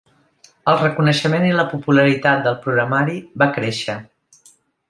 El reconeixement i la popularitat del programari va créixer.